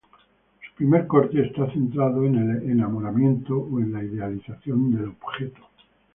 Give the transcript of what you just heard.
Su Primer Corte está centrado en el enamoramiento o en la idealización del objeto.